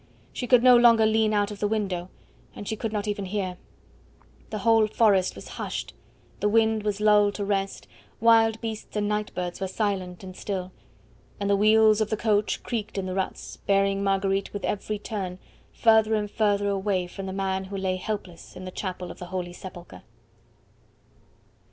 She could no longer lean out of the window, and she could not even hear. The whole forest was hushed, the wind was lulled to rest; wild beasts and night birds were silent and still. And the wheels of the coach creaked in the ruts, bearing Marguerite with every turn further and further away from the man who lay helpless in the chapel of the Holy Sepulchre.